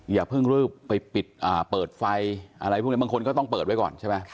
อย่าเพิ่งรีบไปปิดเปิดไฟอะไรพวกนี้บางคนก็ต้องเปิดไว้ก่อนใช่ไหม